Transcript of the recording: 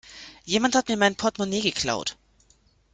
Jemand hat mir mein Portmonee geklaut.